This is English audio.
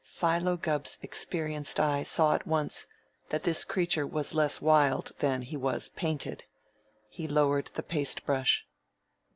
Philo Gubb's experienced eye saw at once that this creature was less wild than he was painted. He lowered the paste brush.